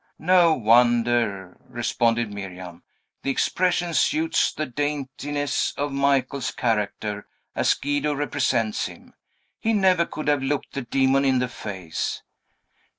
"No wonder!" responded Miriam. "The expression suits the daintiness of Michael's character, as Guido represents him. He never could have looked the demon in the face!"